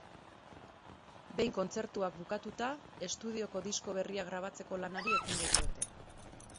Behin kontzertuak bukatuta, estudioko disko berria grabatzeko lanari ekingo diote.